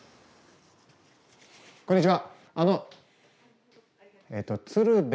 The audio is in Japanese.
こんにちは！